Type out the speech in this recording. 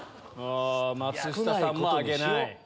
松下さんも挙げない。